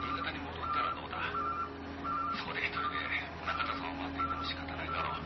「そこで１人で宗形さんを待っていても仕方ないだろ」